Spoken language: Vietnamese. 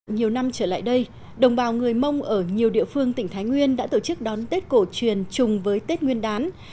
nhiều năm trở lại đây đồng bào người mông ở nhiều địa phương tỉnh thái nguyên đã tổ chức đón tết cổ truyền chung với tết nguyên đán